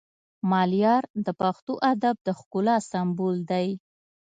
ملیار د پښتو ادب د ښکلا سمبول دی